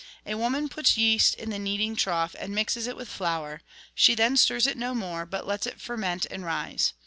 A woman puts yeast in the kneading trough and mixes it with the fiour ; she then stirs it no more, but lets it ferment and rise.